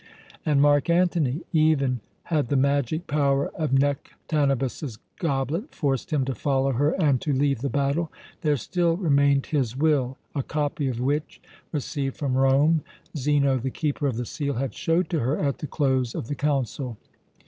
And Mark Antony? Even had the magic power of Nektanebus's goblet forced him to follow her and to leave the battle, there still remained his will, a copy of which received from Rome Zeno, the Keeper of the Seal, had showed to her at the close of the council.